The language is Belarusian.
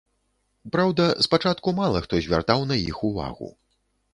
Праўда, спачатку мала хто звяртаў на іх увагу.